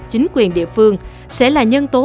chính quyền địa phương sẽ là nhân tố